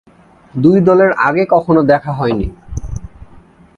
দুই দলের আগে কখনো দেখা হয়নি।